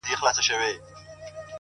• بنگړي نه غواړم؛